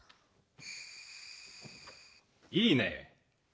いいね！